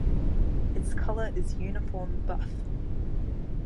Its colour is uniform buff.